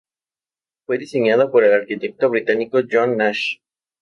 Fue diseñado por el arquitecto británico John Nash.